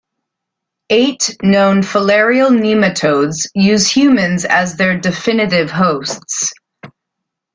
Eight known filarial nematodes use humans as their definitive hosts.